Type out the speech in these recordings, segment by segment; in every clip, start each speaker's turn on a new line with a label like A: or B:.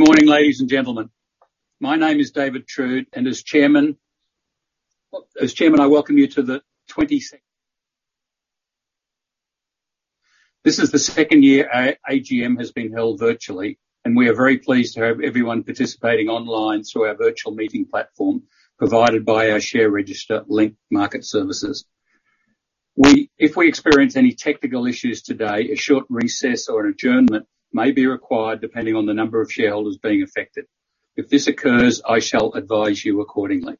A: Good morning, ladies and gentlemen. My name is David Trude, and as Chairman, I welcome you. This is the second year our AGM has been held virtually, and we are very pleased to have everyone participating online through our virtual meeting platform provided by our share registry Link Market Services. If we experience any technical issues today, a short recess or an adjournment may be required depending on the number of shareholders being affected. If this occurs, I shall advise you accordingly.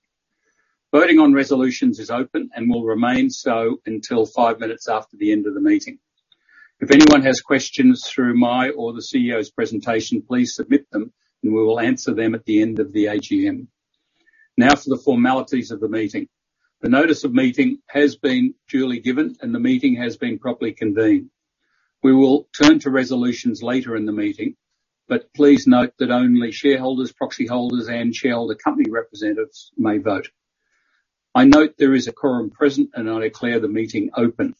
A: Voting on resolutions is open and will remain so until five minutes after the end of the meeting. If anyone has questions during my or the CEO's presentation, please submit them and we will answer them at the end of the AGM. Now for the formalities of the meeting. The notice of meeting has been duly given and the meeting has been properly convened. We will turn to resolutions later in the meeting, but please note that only shareholders, proxy holders, and shareholder company representatives may vote. I note there is a quorum present and I declare the meeting open.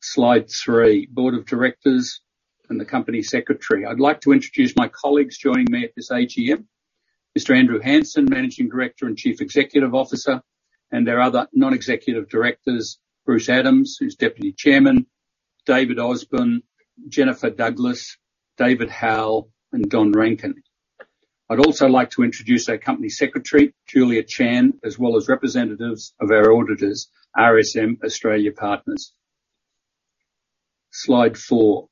A: Slide 3. Board of Directors and the Company Secretary. I'd like to introduce my colleagues joining me at this AGM, Mr. Andrew Hansen, Managing Director and Chief Executive Officer, and our other non-executive directors, Bruce Adams, who's Deputy Chairman, David Osborne, Jennifer Douglas, David Howell and Don Rankin. I'd also like to introduce our company secretary, Julia Chand, as well as representatives of our auditors, RSM Australia Partners. Slide 4.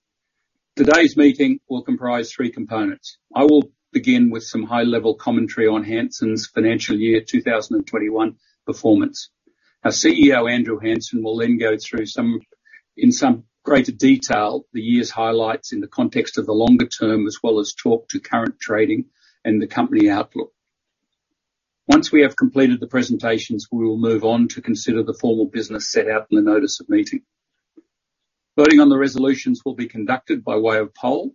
A: Today's meeting will comprise three components. I will begin with some high-level commentary on Hansen's Financial Year 2021 performance. Our CEO, Andrew Hansen, will then go through, in some greater detail the year's highlights in the context of the longer term, as well as talk to current trading and the company outlook. Once we have completed the presentations, we will move on to consider the formal business set out in the notice of meeting. Voting on the resolutions will be conducted by way of poll.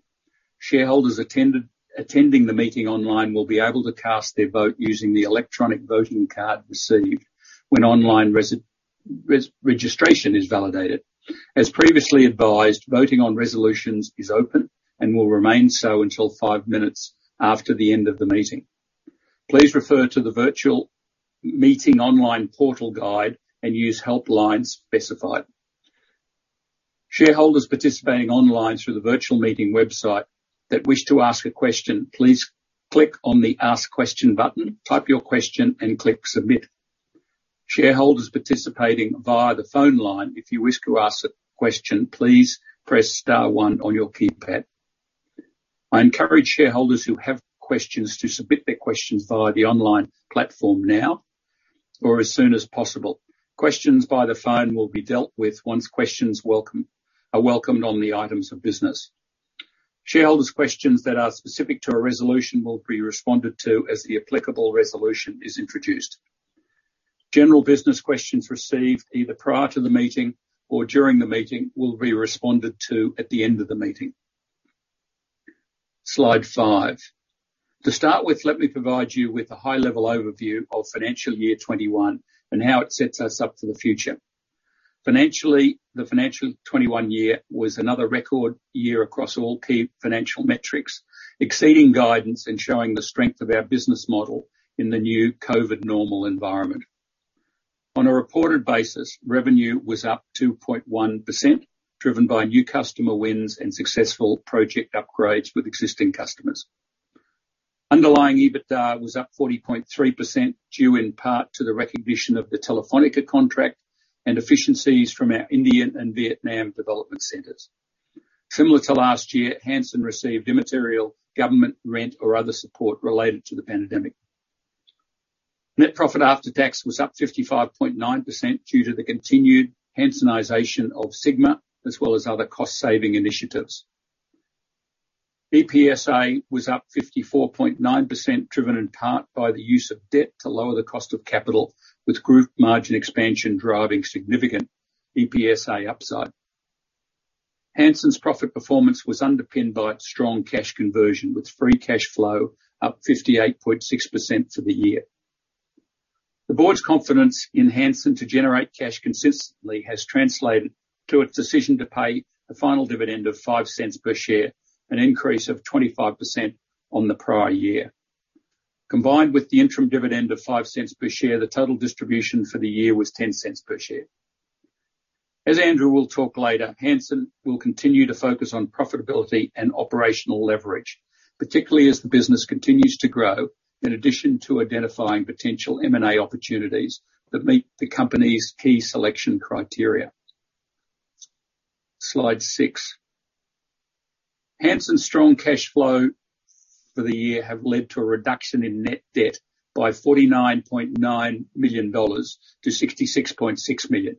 A: Shareholders attending the meeting online will be able to cast their vote using the electronic voting card received when online registration is validated. As previously advised, voting on resolutions is open and will remain so until five minutes after the end of the meeting. Please refer to the virtual meeting online portal guide and use helplines specified. Shareholders participating online through the virtual meeting website that wish to ask a question, please click on the Ask Question button, type your question and click Submit. Shareholders participating via the phone line, if you wish to ask a question, please press star one on your keypad. I encourage shareholders who have questions to submit their questions via the online platform now or as soon as possible. Questions by the phone will be dealt with once questions are welcomed on the items of business. Shareholders' questions that are specific to a resolution will be responded to as the applicable resolution is introduced. General business questions received either prior to the meeting or during the meeting will be responded to at the end of the meeting. Slide 5. To start with, let me provide you with a high-level overview of FY 2021 and how it sets us up for the future. Financially, FY 2021 was another record year across all key financial metrics, exceeding guidance and showing the strength of our business model in the new COVID-normal environment. On a reported basis, revenue was up 2.1%, driven by new customer wins and successful project upgrades with existing customers. Underlying EBITDA was up 40.3%, due in part to the recognition of the Telefónica contract and efficiencies from our Indian and Vietnam development centers. Similar to last year, Hansen received immaterial government rent or other support related to the pandemic. Net profit after tax was up 55.9% due to the continued Hansenization of Sigma as well as other cost-saving initiatives. EPSA was up 54.9%, driven in part by the use of debt to lower the cost of capital, with group margin expansion driving significant EPSA upside. Hansen's profit performance was underpinned by strong cash conversion, with free cash flow up 58.6% for the year. The board's confidence in Hansen to generate cash consistently has translated to its decision to pay a final dividend of 0.05 per share, an increase of 25% on the prior year. Combined with the interim dividend of 0.05 per share, the total distribution for the year was 0.10 per share. As Andrew will talk later, Hansen will continue to focus on profitability and operational leverage, particularly as the business continues to grow, in addition to identifying potential M&A opportunities that meet the company's key selection criteria. Slide 6. Hansen's strong cash flow for the year has led to a reduction in net debt by 49.9 million dollars to 66.6 million.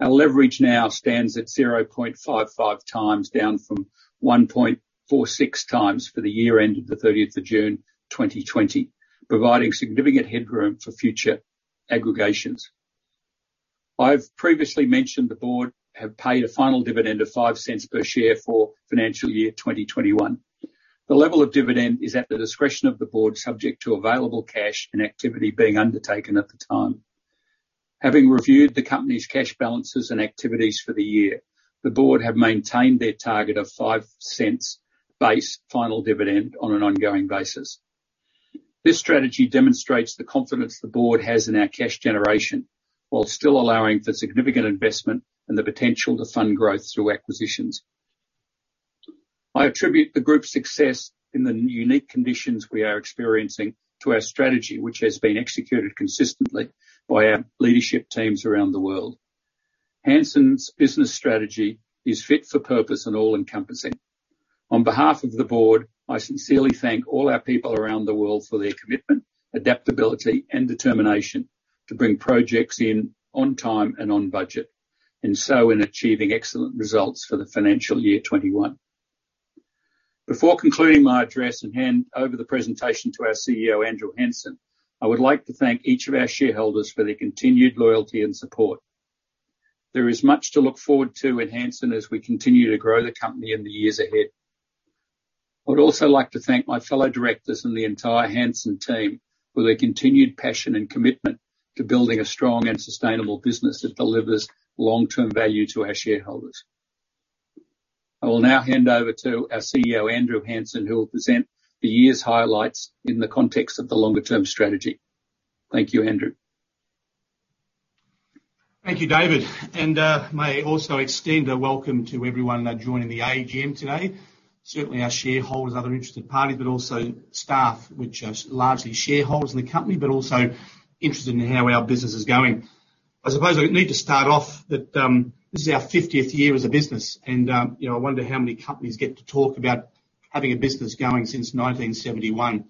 A: Our leverage now stands at 0.55 times, down from 1.46 times for the year end of the thirtieth of June 2020, providing significant headroom for future acquisitions. I've previously mentioned the board has paid a final dividend of 0.05 per share for financial year 2021. The level of dividend is at the discretion of the board subject to available cash and activity being undertaken at the time. Having reviewed the company's cash balances and activities for the year, the board has maintained their target of 0.05 base final dividend on an ongoing basis. This strategy demonstrates the confidence the board has in our cash generation while still allowing for significant investment and the potential to fund growth through acquisitions. I attribute the group's success in the unique conditions we are experiencing to our strategy, which has been executed consistently by our leadership teams around the world. Hansen's business strategy is fit for purpose and all-encompassing. On behalf of the board, I sincerely thank all our people around the world for their commitment, adaptability, and determination to bring projects in on time and on budget, and so in achieving excellent results for the financial year 2021. Before concluding my address and hand over the presentation to our CEO, Andrew Hansen, I would like to thank each of our shareholders for their continued loyalty and support. There is much to look forward to in Hansen as we continue to grow the company in the years ahead. I would also like to thank my fellow directors and the entire Hansen team for their continued passion and commitment to building a strong and sustainable business that delivers long-term value to our shareholders. I will now hand over to our CEO, Andrew Hansen, who will present the year's highlights in the context of the longer-term strategy. Thank you, Andrew.
B: Thank you, David, and may I also extend a welcome to everyone joining the AGM today. Certainly, our shareholders, other interested parties, but also staff, which are largely shareholders in the company, but also interested in how our business is going. I suppose I need to start off that this is our 50th year as a business and you know, I wonder how many companies get to talk about having a business going since 1971.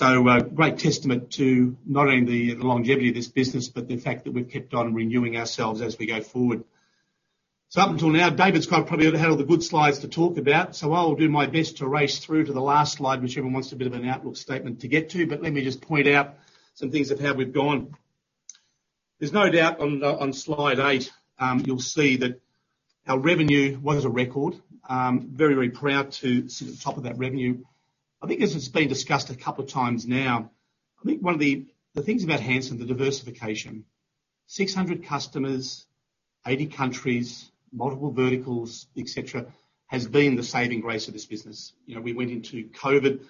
B: A great testament to not only the longevity of this business, but the fact that we've kept on renewing ourselves as we go forward. Up until now, David's got probably had all the good slides to talk about, so I'll do my best to race through to the last slide, which everyone wants a bit of an outlook statement to get to. Let me just point out some things of how we've gone. There's no doubt on slide 8, you'll see that our revenue was a record. Very, very proud to sit at the top of that revenue. I think this has been discussed a couple of times now. I think one of the things about Hansen, the diversification. 600 customers, 80 countries, multiple verticals, et cetera, has been the saving grace of this business. You know, we went into COVID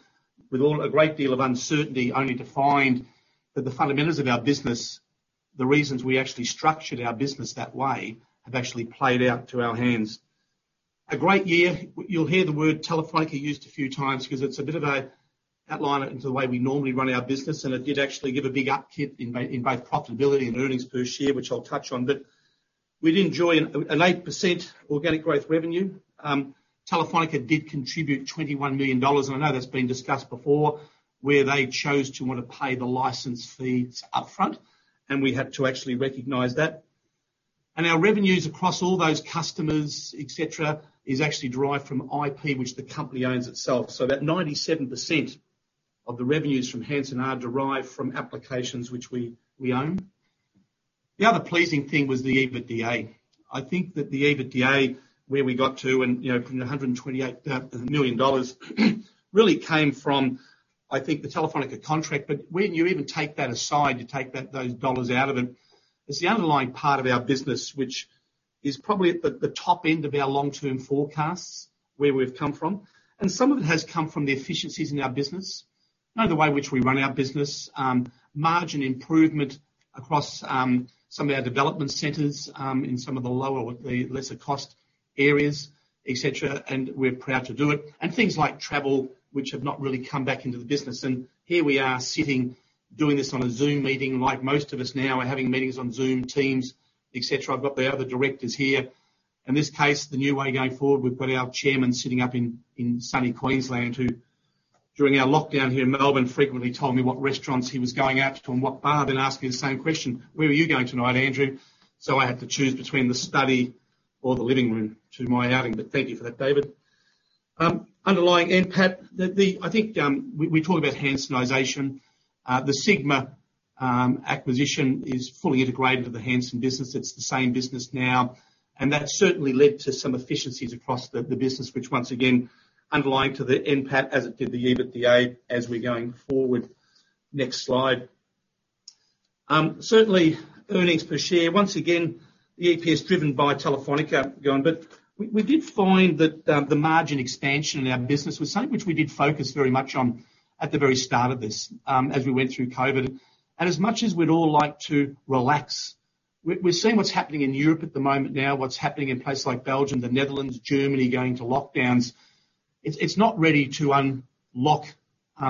B: with a great deal of uncertainty, only to find that the fundamentals of our business, the reasons we actually structured our business that way, have actually played out in our hands. A great year. You'll hear the word Telefónica used a few times 'cause it's a bit of an outline into the way we normally run our business, and it did actually give a big uptick in both profitability and earnings per share, which I'll touch on. We'd enjoy an 8% organic growth revenue. Telefónica did contribute 21 million dollars, and I know that's been discussed before, where they chose to wanna pay the license fees upfront, and we had to actually recognize that. Our revenues across all those customers, et cetera, is actually derived from IP, which the company owns itself. That 97% of the revenues from Hansen are derived from applications which we own. The other pleasing thing was the EBITDA. I think that the EBITDA, where we got to and, you know, from 128 million dollars, really came from, I think, the Telefónica contract. But when you even take that aside, you take that, those dollars out of it's the underlying part of our business, which is probably at the top end of our long-term forecasts, where we've come from. Some of it has come from the efficiencies in our business. You know, the way in which we run our business, margin improvement across some of our development centers in some of the lower or the lesser cost areas, et cetera, and we're proud to do it. Things like travel, which have not really come back into the business. Here we are sitting, doing this on a Zoom meeting, like most of us now are having meetings on Zoom, Teams, et cetera. I've got the other directors here. In this case, the new way going forward, we've got our chairman sitting up in sunny Queensland who, during our lockdown here in Melbourne, frequently told me what restaurants he was going out to and what bar, then asking the same question, "Where are you going tonight, Andrew?" I had to choose between the study or the living room to my outing. Thank you for that, David. Underlying NPAT. I think we talk about Hansenization. The Sigma acquisition is fully integrated with the Hansen business. It's the same business now, and that certainly led to some efficiencies across the business which once again underlie the NPAT as it did the EBITDA as we're going forward. Next slide. Certainly earnings per share. Once again, the EPS driven by Telefónica gone. We did find that the margin expansion in our business was something which we did focus very much on at the very start of this as we went through COVID. As much as we'd all like to relax, we're seeing what's happening in Europe at the moment now, what's happening in places like Belgium, the Netherlands, Germany going to lockdowns. It's not ready to unlock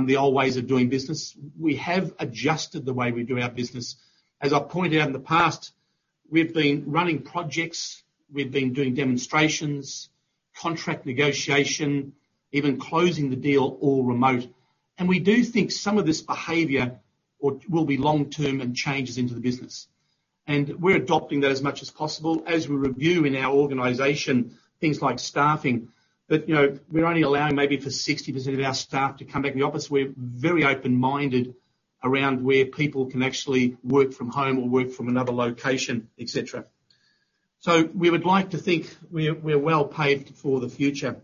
B: the old ways of doing business. We have adjusted the way we do our business. As I pointed out in the past, we've been running projects, we've been doing demonstrations, contract negotiation, even closing the deal all remote. We do think some of this behavior or will be long-term and changes into the business. We're adopting that as much as possible as we review in our organization things like staffing. You know, we're only allowing maybe for 60% of our staff to come back to the office. We're very open-minded around where people can actually work from home or work from another location, et cetera. We would like to think we're well placed for the future.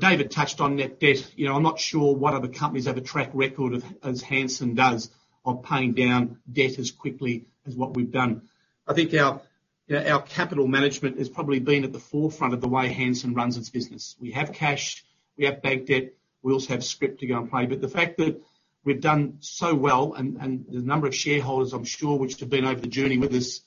B: David touched on net debt. You know, I'm not sure what other companies have a track record of, as Hansen does, of paying down debt as quickly as what we've done. I think our capital management has probably been at the forefront of the way Hansen runs its business. We have cash, we have bank debt, we also have scrip to go and play. The fact that we've done so well, and the number of shareholders, I'm sure which have been over the journey with us,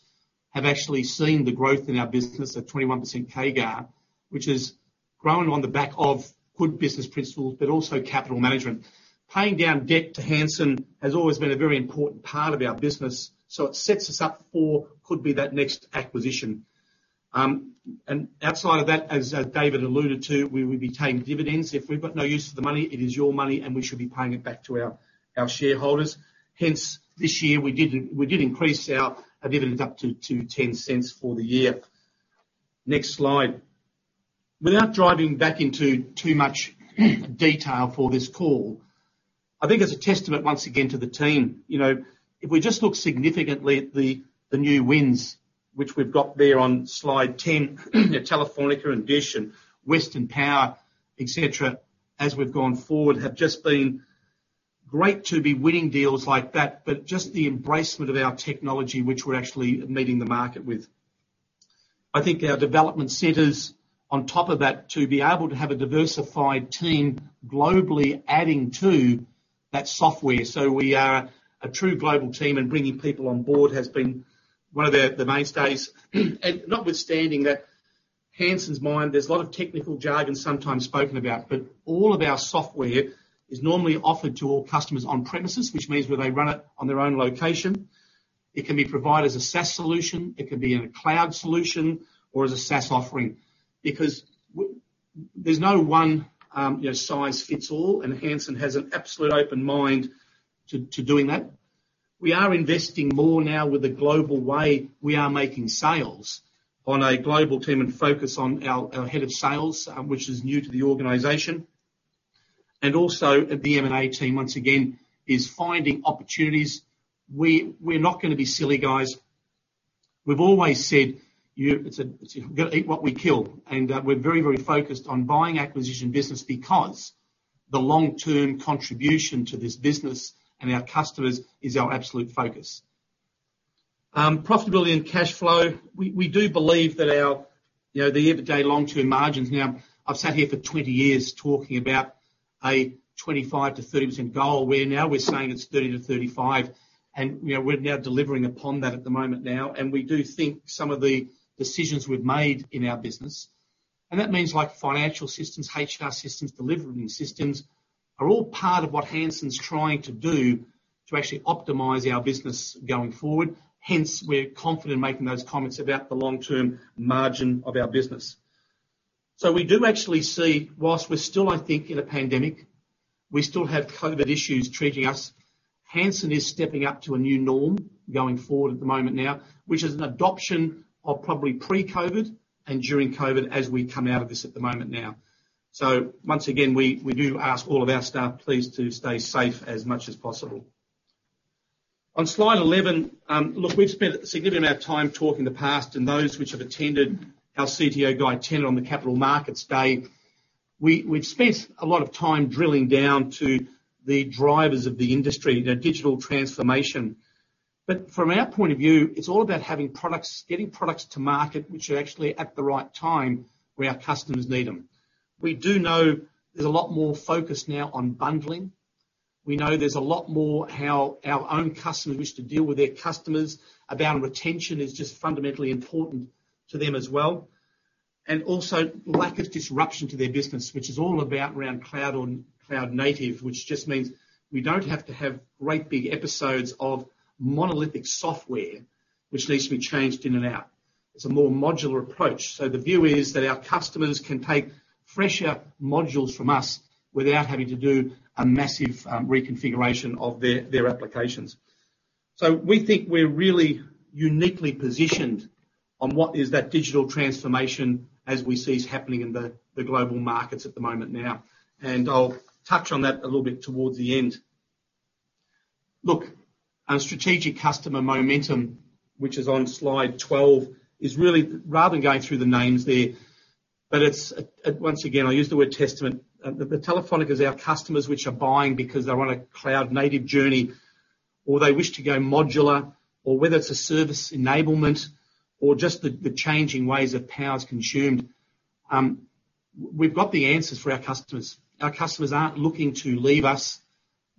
B: have actually seen the growth in our business at 21% CAGR, which has grown on the back of good business principles, but also capital management. Paying down debt to Hansen has always been a very important part of our business, so it sets us up for what could be that next acquisition. And outside of that, as David alluded to, we will be taking dividends. If we've got no use for the money, it is your money, and we should be paying it back to our shareholders. Hence, this year, we did increase our dividends up to 0.10 for the year. Next slide. Without diving back into too much detail for this call, I think it's a testament once again to the team. You know, if we just look at the significant new wins which we've got there on slide 10, you know, Telefónica and DISH and Western Power, et cetera, as we've gone forward, have just been great to be winning deals like that. But just the embracement of our technology, which we're actually meeting the market with. I think our development centers on top of that, to be able to have a diversified team globally adding to that software. So we are a true global team, and bringing people on board has been one of the mainstays. Notwithstanding that, Hansen's mind, there's a lot of technical jargon sometimes spoken about, but all of our software is normally offered to all customers on premises, which means where they run it on their own location. It can be provided as a SaaS solution, it could be in a cloud solution or as a SaaS offering. Because there's no one, you know, size fits all, and Hansen has an absolute open mind to doing that. We are investing more now with a global way. We are making sales on a global team and focus on our head of sales, which is new to the organization. Also the M&A team, once again, is finding opportunities. We're not gonna be silly guys. We've always said it's gotta eat what we kill. We're very, very focused on buying acquisition business because the long-term contribution to this business and our customers is our absolute focus. Profitability and cash flow. We do believe that our, you know, the everyday long-term margins. Now, I've sat here for 20 years talking about a 25%-30% goal, where now we're saying it's 30%-35%. You know, we're now delivering upon that at the moment now. We do think some of the decisions we've made in our business, and that means like financial systems, HR systems, delivery systems, are all part of what Hansen's trying to do to actually optimize our business going forward. Hence, we're confident making those comments about the long-term margin of our business. We do actually see, while we're still, I think, in a pandemic, we still have COVID issues affecting us. Hansen is stepping up to a new norm going forward at the moment now, which is an adoption of probably pre-COVID and during COVID as we come out of this at the moment now. Once again, we do ask all of our staff please to stay safe as much as possible. On slide 11, look, we've spent a significant amount of time talking in the past, and those which have attended our CTO guided tour on the Capital Markets Day, we've spent a lot of time drilling down to the drivers of the industry, you know, digital transformation. But from our point of view, it's all about having products, getting products to market which are actually at the right time where our customers need them. We do know there's a lot more focus now on bundling. We know there's a lot more how our own customers wish to deal with their customers about retention is just fundamentally important to them as well. Also lack of disruption to their business, which is all about around cloud or cloud native, which just means we don't have to have great big episodes of monolithic software which needs to be changed in and out. It's a more modular approach. The view is that our customers can take fresher modules from us without having to do a massive reconfiguration of their applications. We think we're really uniquely positioned on what is that digital transformation as we see is happening in the global markets at the moment now. I'll touch on that a little bit towards the end. Look, our strategic customer momentum, which is on slide 12, is really rather than going through the names there, but it's, once again, I'll use the word testament. The Telefónica's our customers which are buying because they're on a cloud native journey or they wish to go modular or whether it's a service enablement or just the changing ways that power is consumed. We've got the answers for our customers. Our customers aren't looking to leave us.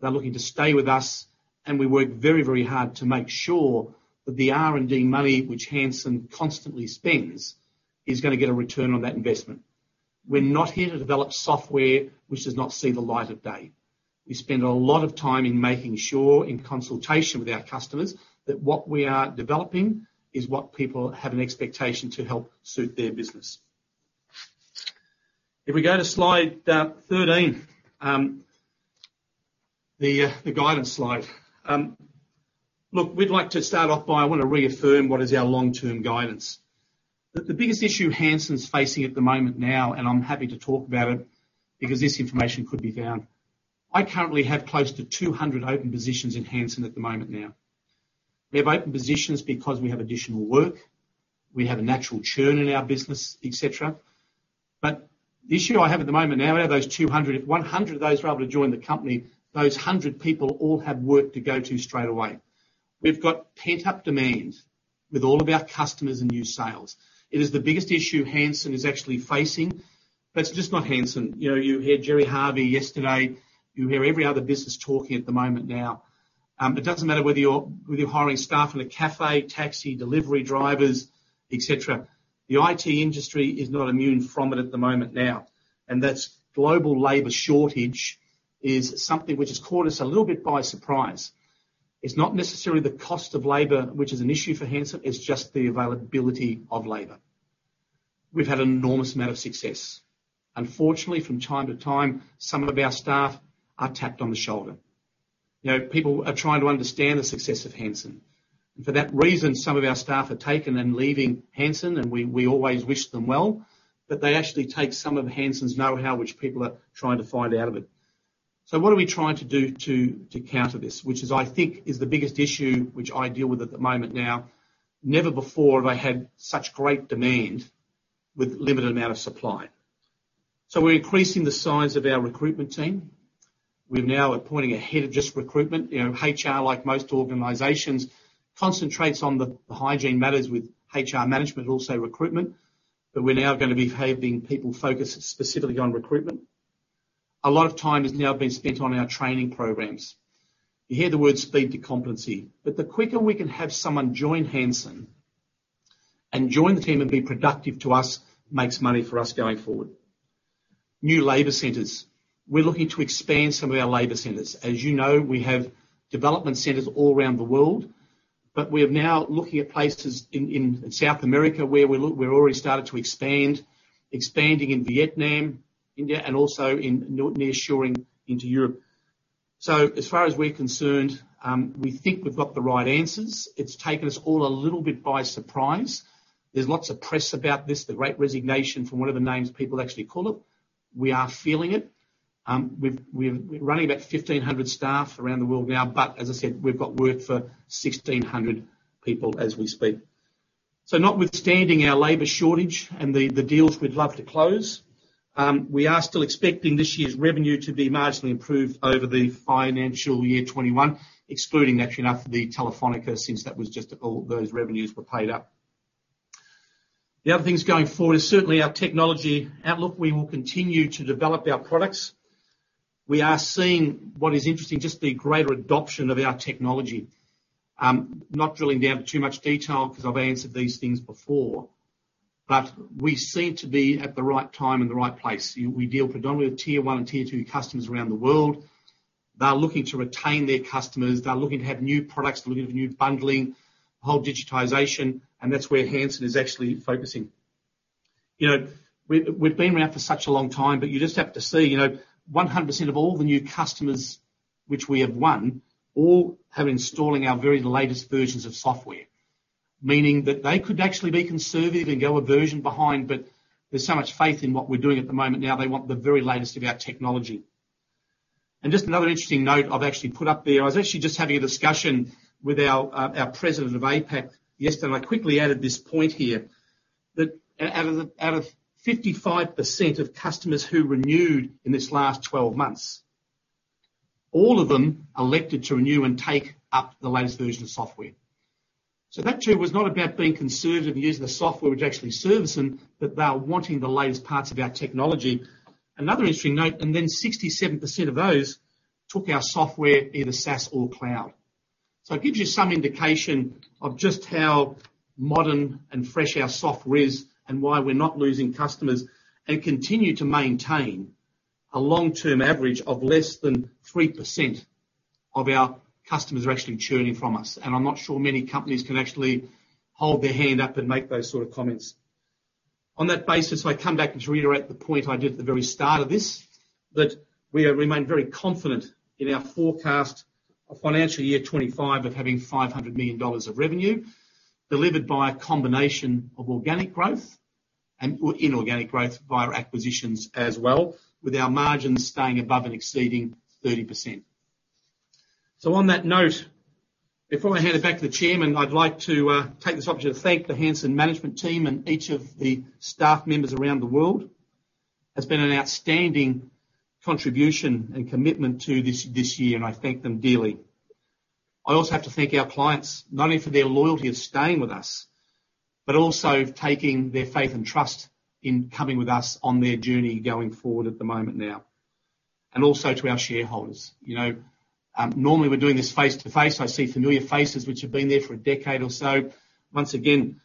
B: They're looking to stay with us. We work very, very hard to make sure that the R&D money which Hansen constantly spends is gonna get a return on that investment. We're not here to develop software which does not see the light of day. We spend a lot of time in making sure in consultation with our customers that what we are developing is what people have an expectation to help suit their business. If we go to slide thirteen, the guidance slide. Look, we'd like to start off by I wanna reaffirm what is our long-term guidance. The biggest issue Hansen's facing at the moment now, and I'm happy to talk about it because this information could be found. I currently have close to 200 open positions in Hansen at the moment now. We have open positions because we have additional work, we have a natural churn in our business, et cetera. The issue I have at the moment now we have those 200, if 100 of those are able to join the company, those 100 people all have work to go to straight away. We've got pent-up demand with all of our customers and new sales. It is the biggest issue Hansen is actually facing. It's just not Hansen. You know, you heard Gerry Harvey yesterday. You hear every other business talking at the moment now. It doesn't matter whether you're hiring staff in a cafe, taxi delivery drivers, et cetera. The IT industry is not immune from it at the moment now, and that's global labor shortage is something which has caught us a little bit by surprise. It's not necessarily the cost of labor, which is an issue for Hansen, it's just the availability of labor. We've had an enormous amount of success. Unfortunately, from time to time, some of our staff are tapped on the shoulder. You know, people are trying to understand the success of Hansen. For that reason, some of our staff are taken and leaving Hansen, and we always wish them well, but they actually take some of Hansen's know-how, which people are trying to find out of it. What are we trying to do to counter this, which, I think, is the biggest issue which I deal with at the moment now. Never before have I had such great demand with limited amount of supply. We're increasing the size of our recruitment team. We're now appointing a head of just recruitment. You know, HR, like most organizations, concentrates on the hygiene matters with HR management, also recruitment, but we're now gonna be having people focused specifically on recruitment. A lot of time has now been spent on our training programs. You hear the word speed to competency, but the quicker we can have someone join Hansen and join the team and be productive to us, it makes money for us going forward. New labor centers. We're looking to expand some of our labor centers. As you know, we have development centers all around the world, but we are now looking at places in South America. We're already started to expand. Expanding in Vietnam, India, and also in near shoring into Europe. As far as we're concerned, we think we've got the right answers. It's taken us all a little bit by surprise. There's lots of press about this, the great resignation from whatever names people actually call it. We are feeling it. We're running about 1,500 staff around the world now, but as I said, we've got work for 1,600 people as we speak. Notwithstanding our labor shortage and the deals we'd love to close, we are still expecting this year's revenue to be marginally improved over the financial year 2021, excluding naturally enough the Telefónica, since that was just all those revenues were paid up. The other things going forward is certainly our technology outlook. We will continue to develop our products. We are seeing what is interesting, just the greater adoption of our technology. Not drilling down to too much detail 'cause I've answered these things before, but we seem to be at the right time and the right place. We deal predominantly with tier one and tier two customers around the world. They're looking to retain their customers. They're looking to have new products. They're looking for new bundling, whole digitization, and that's where Hansen is actually focusing. You know, we've been around for such a long time, but you just have to see, you know, 100% of all the new customers which we have won all have installing our very latest versions of software. Meaning that they could actually be conservative and go a version behind, but there's so much faith in what we're doing at the moment now, they want the very latest of our technology. Just another interesting note I've actually put up there. I was actually just having a discussion with our president of APAC yesterday, and I quickly added this point here, that out of 55% of customers who renewed in this last 12 months, all of them elected to renew and take up the latest version of software. That too was not about being conservative and using the software which actually serves them, but they are wanting the latest parts of our technology. Another interesting note, and then 67% of those took our software, either SaaS or cloud. It gives you some indication of just how modern and fresh our software is and why we're not losing customers and continue to maintain a long-term average of less than 3% of our customers are actually churning from us. I'm not sure many companies can actually hold their hand up and make those sort of comments. On that basis, I come back just to reiterate the point I did at the very start of this, that we remain very confident in our forecast of financial year 2025 of having 500 million dollars of revenue delivered by a combination of organic growth and inorganic growth via acquisitions as well, with our margins staying above and exceeding 30%. On that note, before I hand it back to the chairman, I'd like to take this opportunity to thank the Hansen management team and each of the staff members around the world. It's been an outstanding contribution and commitment to this year, and I thank them dearly. I also have to thank our clients, not only for their loyalty of staying with us, but also taking their faith and trust in coming with us on their journey going forward at the moment now. Also to our shareholders. You know, normally we're doing this face-to-face. I see familiar faces which have been there for a decade or so. Once again,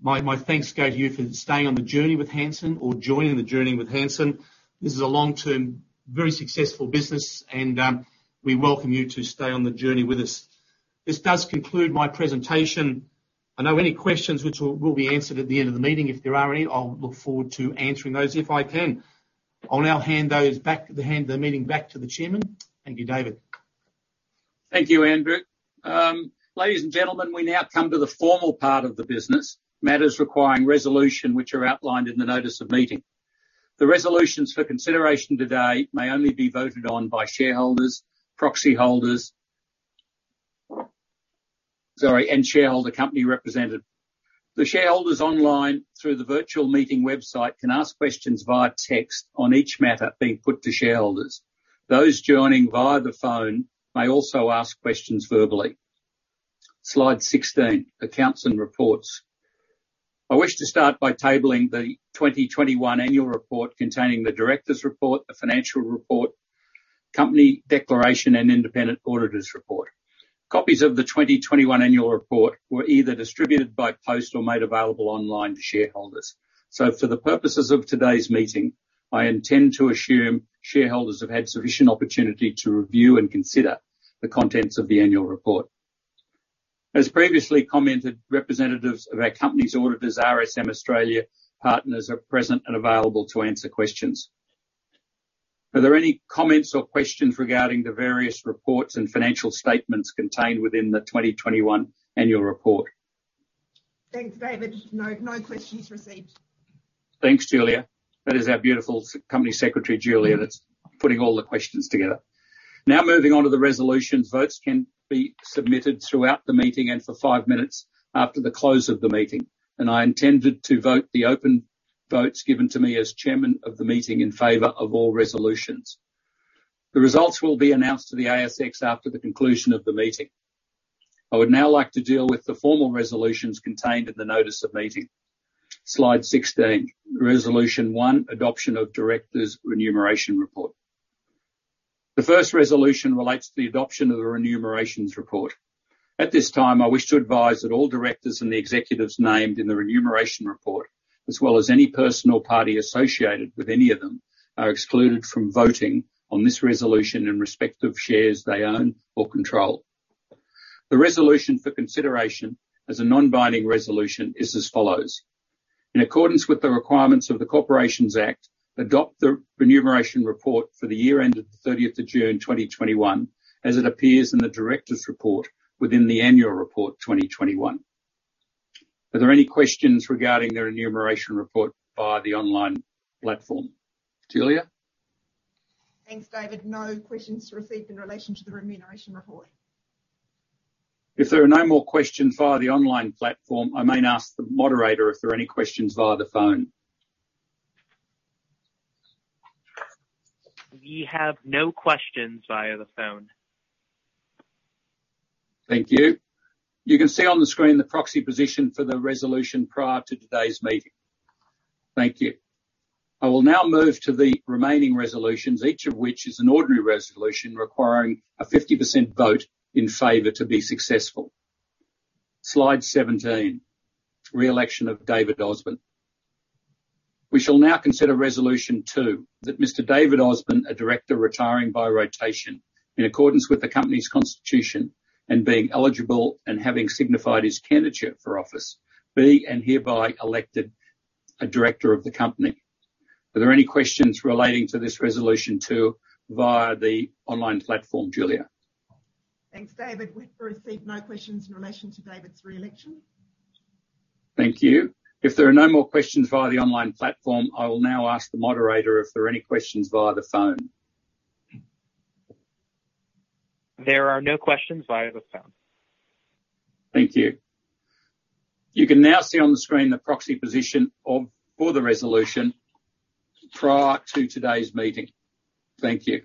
B: my thanks go to you for staying on the journey with Hansen or joining the journey with Hansen. This is a long-term, very successful business and, we welcome you to stay on the journey with us. This does conclude my presentation. I know any questions which will be answered at the end of the meeting. If there are any, I'll look forward to answering those if I can. I'll now hand the meeting back to the chairman. Thank you, David.
A: Thank you, Andrew. Ladies and gentlemen, we now come to the formal part of the business, matters requiring resolution, which are outlined in the notice of meeting. The resolutions for consideration today may only be voted on by shareholders, proxy holders, and corporate representatives. The shareholders online through the virtual meeting website can ask questions via text on each matter being put to shareholders. Those joining via the phone may also ask questions verbally. Slide 16, Accounts and Reports. I wish to start by tabling the 2021 annual report containing the Directors' Report, the Financial Report, Directors' Declaration, and Independent Auditor's Report. Copies of the 2021 annual report were either distributed by post or made available online to shareholders. For the purposes of today's meeting, I intend to assume shareholders have had sufficient opportunity to review and consider the contents of the annual report. As previously commented, representatives of our company's auditors, RSM Australia Partners, are present and available to answer questions. Are there any comments or questions regarding the various reports and financial statements contained within the 2021 annual report?
C: Thanks, David. No questions received.
A: Thanks, Julia. That is our beautiful Company Secretary, Julia, that's putting all the questions together. Now moving on to the resolutions. Votes can be submitted throughout the meeting and for five minutes after the close of the meeting. I intended to vote the open votes given to me as Chairman of the meeting in favor of all resolutions. The results will be announced to the ASX after the conclusion of the meeting. I would now like to deal with the formal resolutions contained in the notice of meeting. Slide 16, Resolution 1, Adoption of Directors' Remuneration Report. The first resolution relates to the adoption of the remuneration report. At this time, I wish to advise that all directors and the executives named in the remuneration report, as well as any person or party associated with any of them, are excluded from voting on this resolution in respect of shares they own or control. The resolution for consideration as a non-binding resolution is as follows. In accordance with the requirements of the Corporations Act, adopt the remuneration report for the year ended June 30, 2021, as it appears in the directors' report within the annual report 2021. Are there any questions regarding the remuneration report via the online platform? Julia?
C: Thanks, David. No questions received in relation to the remuneration report.
A: If there are no more questions via the online platform, I may ask the moderator if there are any questions via the phone.
D: We have no questions via the phone.
A: Thank you. You can see on the screen the proxy position for the resolution prior to today's meeting. Thank you. I will now move to the remaining resolutions, each of which is an ordinary resolution requiring a 50% vote in favor to be successful. Slide 17, Re-election of David Osborne. We shall now consider Resolution 2, that Mr. David Osborne, a director retiring by rotation in accordance with the company's constitution and being eligible and having signified his candidature for office, be and hereby elected a director of the company. Are there any questions relating to this Resolution 2 via the online platform? Julia?
C: Thanks, David. We've received no questions in relation to David's re-election.
A: Thank you. If there are no more questions via the online platform, I will now ask the moderator if there are any questions via the phone.
D: There are no questions via the phone.
A: Thank you. You can now see on the screen the proxy position for the resolution prior to today's meeting. Thank you.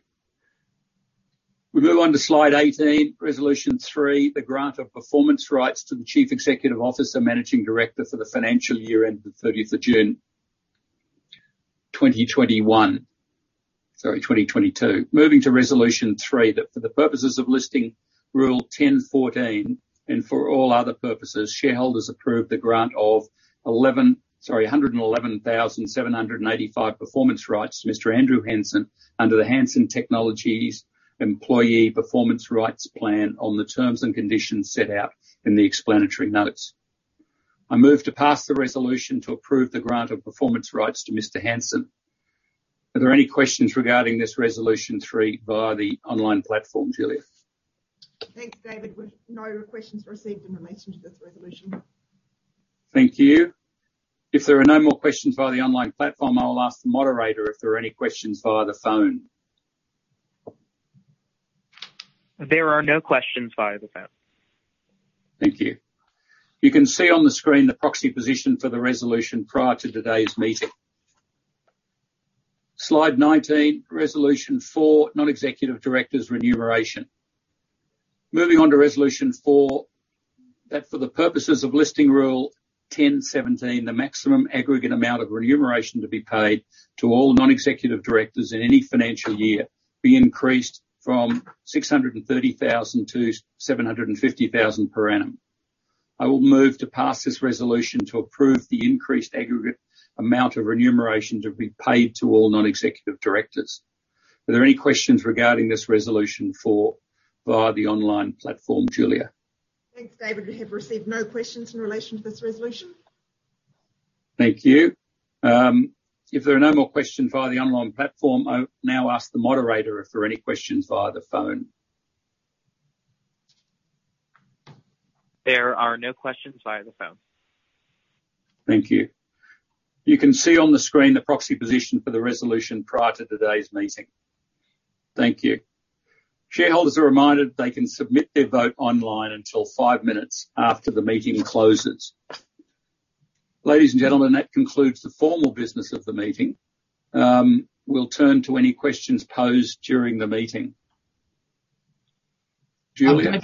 A: We move on to slide 18, Resolution 3, the Grant of Performance Rights to the Chief Executive Officer, Managing Director for the financial year end of the 30th of June 2022. Moving to Resolution 3, that for the purposes of Listing Rule 10.14 and for all other purposes, shareholders approve the grant of 111,785 performance rights to Mr. Andrew Hansen under the Hansen Technologies Employee Performance Rights Plan on the terms and conditions set out in the Explanatory Notes. I move to pass the resolution to approve the grant of performance rights to Mr. Hansen. Are there any questions regarding this Resolution 3 via the online platform, Julia?
C: Thanks, David. We've no questions received in relation to this resolution.
A: Thank you. If there are no more questions via the online platform, I will ask the moderator if there are any questions via the phone.
D: There are no questions via the phone.
A: Thank you. You can see on the screen the proxy position for the resolution prior to today's meeting. Slide 19, Resolution 4, Non-Executive Directors' Remuneration. Moving on to Resolution 4, that for the purposes of Listing Rule 10.17, the maximum aggregate amount of remuneration to be paid to all non-executive directors in any financial year be increased from 630,000 to 750,000 per annum. I will move to pass this resolution to approve the increased aggregate amount of remuneration to be paid to all non-executive directors. Are there any questions regarding this Resolution 4 via the online platform, Julia?
C: Thanks, David. We have received no questions in relation to this resolution.
A: Thank you. If there are no more questions via the online platform, I'll now ask the moderator if there are any questions via the phone.
D: There are no questions via the phone.
A: Thank you. You can see on the screen the proxy position for the resolution prior to today's meeting. Thank you. Shareholders are reminded they can submit their vote online until five minutes after the meeting closes. Ladies and gentlemen, that concludes the formal business of the meeting. We'll turn to any questions posed during the meeting. Julia?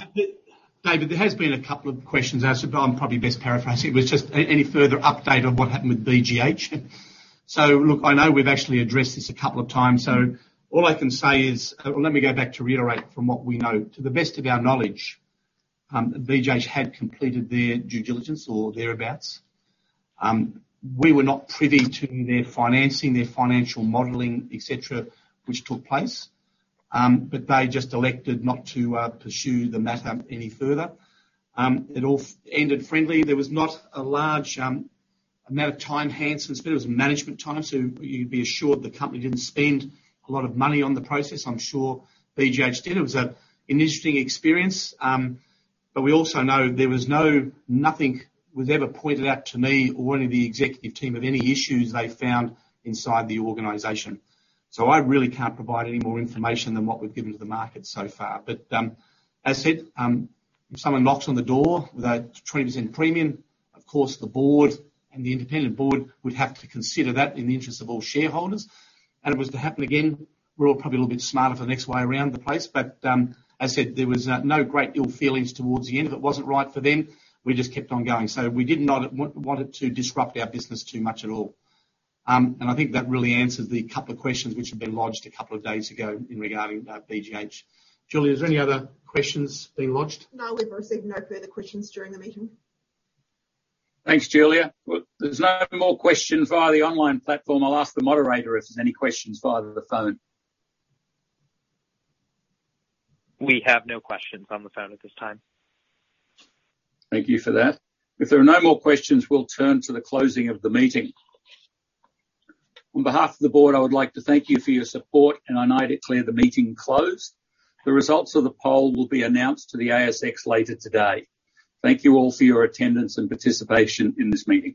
B: David, there has been a couple of questions asked, but I'm probably best paraphrasing. It was just any further update on what happened with BGH. Look, I know we've actually addressed this a couple of times, so all I can say is, well, let me go back to reiterate from what we know. To the best of our knowledge, BGH had completed their due diligence or thereabouts. We were not privy to their financing, their financial modeling, et cetera, which took place. But they just elected not to pursue the matter any further. It all ended friendly. There was not a large amount of time Hansen spent. It was management time, so you'd be assured the company didn't spend a lot of money on the process. I'm sure BGH did. It was an interesting experience, but we also know there was nothing ever pointed out to me or any of the executive team of any issues they found inside the organization. I really can't provide any more information than what we've given to the market so far. As I said, if someone knocks on the door with a 20% premium, of course the board and the independent board would have to consider that in the interest of all shareholders. If it was to happen again, we're all probably a little bit smarter for the next way around the place. As I said, there was no great ill feelings towards the end. If it wasn't right for them, we just kept on going. We did not want it to disrupt our business too much at all. I think that really answers the couple of questions which have been lodged a couple of days ago regarding BGH. Julia, is there any other questions being lodged?
C: No, we've received no further questions during the meeting.
A: Thanks, Julia. Well, there's no more questions via the online platform. I'll ask the moderator if there's any questions via the phone.
D: We have no questions on the phone at this time.
A: Thank you for that. If there are no more questions, we'll turn to the closing of the meeting. On behalf of the board, I would like to thank you for your support, and I now declare the meeting closed. The results of the poll will be announced to the ASX later today. Thank you all for your attendance and participation in this meeting.